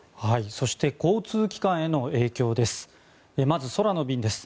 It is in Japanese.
そして交通機関への影響です。